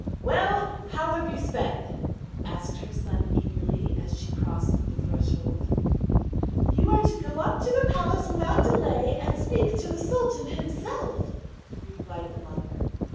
'Well, how have you sped?' asked her son eagerly as she crossed the threshold. 'You are to go up to the palace without delay, and speak to the sultan himself,' replied the mother.